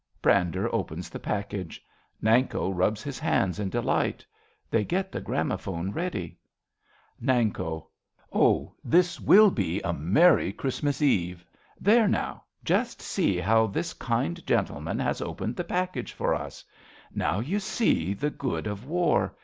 (Brander opens the package. Nanko rubs his hands in delight. They get the gramophone ready.) Nanko. Oh, this will be a merry Christmas Eve. There now — just see how this kind gentleman Has opened the package for us. Now you see The good of war.